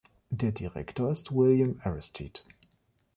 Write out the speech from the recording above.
Der Direktor ist William Aristide.